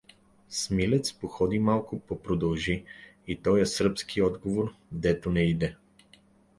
Смилец походи малко, па продължи: — И тоя сръбски отговор, дето не иде!